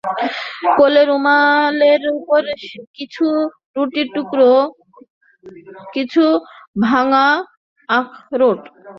কোলে রুমালের উপর কিছু রুটির টুকরো, কিছু ভাঙা আখরোট।